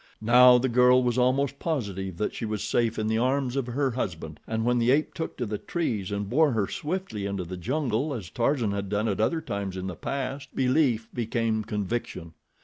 Now the girl was almost positive that she was safe in the arms of her husband, and when the ape took to the trees and bore her swiftly into the jungle, as Tarzan had done at other times in the past, belief became conviction.